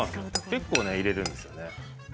結構入れるんですよね。